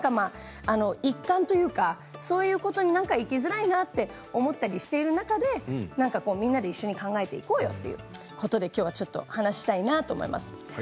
一環というかそういうことを生きづらいなと思っている中でみんなで一緒に考えていこうよということできょうはお話ししたいなと思います。